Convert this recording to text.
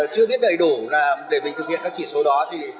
chưa biết đầy đủ là để mình thực hiện các chỉ số đó thì